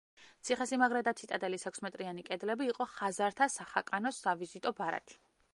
ციხესიმაგრე და ციტადელის ექვსმეტრიანი კედლები იყო ხაზართა სახაკანოს სავიზიტო ბარათი.